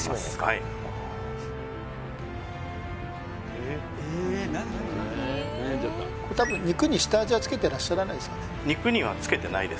はいこれたぶん肉に下味は付けてらっしゃらないですかね